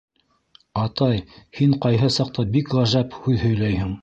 — Атай, һин ҡайһы саҡта бик ғәжәп һүҙ һөйләйһең.